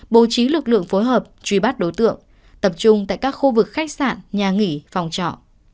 bố trí lực lượng phối hợp truy bắt đối tượng tập trung tại các khu vực khách sạn nhà nghỉ phòng trọ